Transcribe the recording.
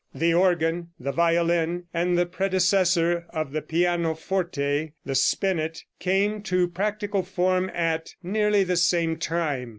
The organ, the violin and the predecessor of the pianoforte, the spinet, came to practical form at nearly the same time.